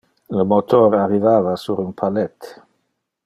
Le motor arrivava sur un pallet.